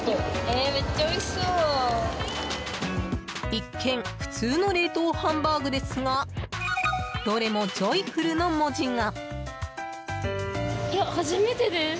一見普通の冷凍ハンバーグですがどれもジョイフルの文字が。